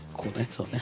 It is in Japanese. そうね。